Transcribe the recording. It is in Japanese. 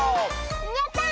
やった！